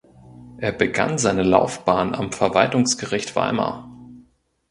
Er begann seine Laufbahn am Verwaltungsgericht Weimar.